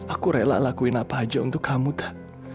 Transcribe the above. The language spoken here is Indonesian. aku rela lakuin apa aja untuk kamu tuh